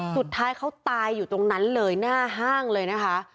สุดท้ายเขาตายอยู่ตรงนั้นเลยหน้าห้างเลยนะคะ